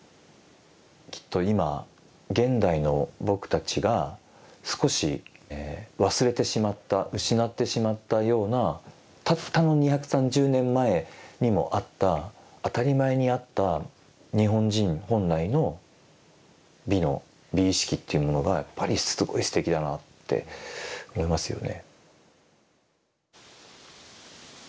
きっと今現代の僕たちが少し忘れてしまった失ってしまったようなたったの２３０年前にもあった当たり前にあった日本人本来の美の美意識っていうものがやっぱりすごいすてきだなあって思いますよね。